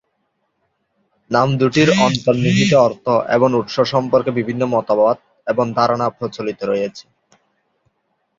নাম দুটির অন্তর্নিহিত অর্থ এবং উৎস সম্পর্কে বিভিন্ন মতবাদ এবং ধারণা প্রচলিত রয়েছে।